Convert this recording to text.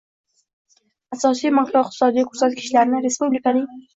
asosiy makroiqtisodiy ko`rsatkichlarni, respublikaning